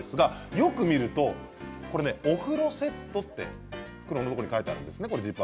よく見るとお風呂セット袋のところに書いていますね。